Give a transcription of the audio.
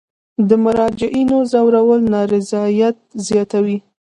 د مراجعینو ځورول نارضایت زیاتوي.